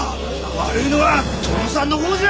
悪いのは殿さんの方じゃ！